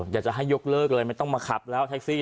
อยากจะให้ยกเลิกเลยไม่ต้องมาขับแล้วแท็กซี่